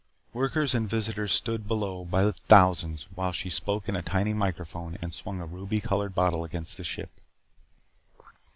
Workers and visitors stood below by the thousands while she spoke into a tiny microphone and swung a ruby colored bottle against the ship.